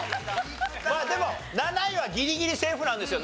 まあでも７位はギリギリセーフなんですよ。